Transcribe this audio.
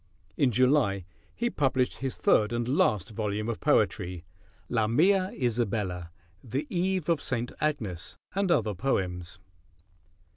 In July he published his third and last volume of poetry, "Lamia, Isabella, The Eve of St. Agnes, and Other Poems."